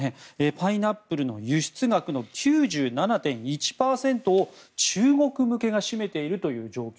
パイナップルの輸出額の９７．１％を中国向けが占めているという状況。